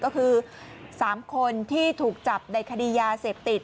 ก็คือ๓คนที่ถูกจับในคดียาเสพติด